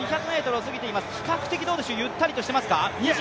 比較的ゆったりとしていますか？